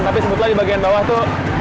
tapi sebetulnya di bagian bawah itu